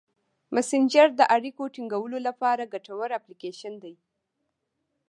مسېنجر د اړیکو ټینګولو لپاره ګټور اپلیکیشن دی.